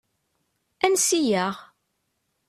Ansi-aɣ?